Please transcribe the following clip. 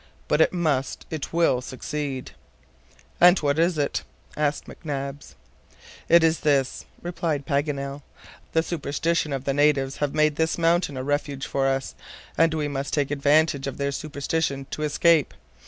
But it must, it will succeed." "And what is it?" asked McNabbs. "It is this," replied Paganel, "the superstition of the natives has made this mountain a refuge for us, and we must take advantage of their superstition to escape.